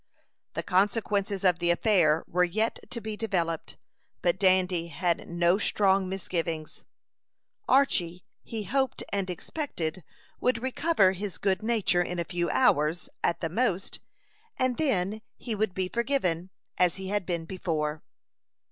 The consequences of the affair were yet to be developed, but Dandy had no strong misgivings. Archy, he hoped and expected, would recover his good nature in a few hours, at the most, and then he would be forgiven, as he had been before.